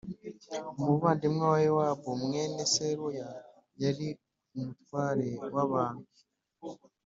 umuvandimwe wa Yowabu mwene Seruya yari umutware w abantu